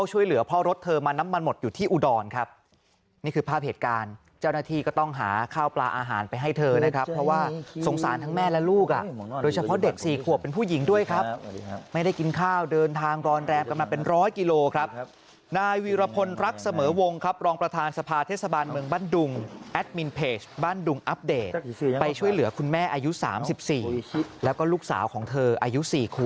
เจ้าหน้าที่ก็ต้องหาข้าวปลาอาหารไปให้เธอนะครับเพราะว่าสงสารทั้งแม่และลูกโดยเฉพาะเด็ก๔ขวบเป็นผู้หญิงด้วยครับไม่ได้กินข้าวเดินทางรอนแรมกลับมาเป็นร้อยกิโลครับนายวิรพลรักษ์เสมอวงครับรองประธานสภาเทศบาลเมืองบ้านดุงแอดมินเพจบ้านดุงอัปเดตไปช่วยเหลือคุณแม่อายุ๓๔แล้วก็ลู